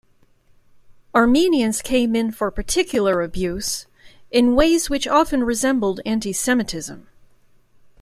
Armenians came in for particular abuse in ways which often resembled anti-Semitism.